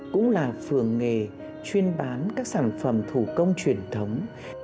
cũng là phường nghề chuyên bán các sản phẩm thủ công truyền thống